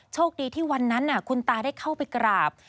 โชคดีที่วันนั้นคุณตาได้เข้าไปกราบ